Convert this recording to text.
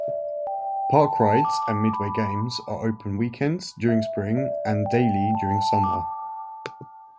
Park rides and midway games are open weekends during spring and daily during summer.